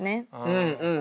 うんうん。